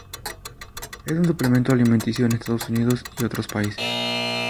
Es un suplemento alimenticio en Estados Unidos y otros países.